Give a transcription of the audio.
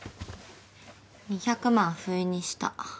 ２００万ふいにした。